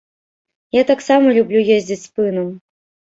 Я таксама люблю ездзіць спынам.